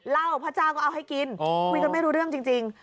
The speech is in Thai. เหล้าพระเจ้าก็เอาให้กินคุยกันไม่รู้เรื่องจริง